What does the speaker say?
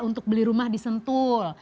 untuk beli rumah di sentul